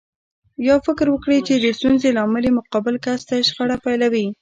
يا فکر وکړي چې د ستونزې لامل يې مقابل کس دی شخړه پيلوي.